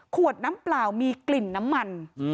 ขวดน้ำเปล่ามีกลิ่นน้ำมัน